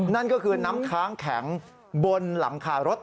นั่นก็คือน้ำค้างแข็งบนหลังคารถ